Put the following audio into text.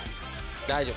大丈夫。